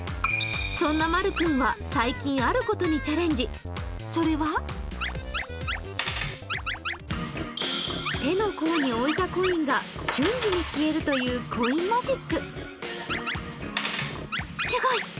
そんなまる君は、最近あることにチャレンジ、それは手の甲に置いたコインが瞬時に消えるというコインマジック。